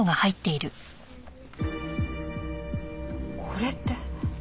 これって。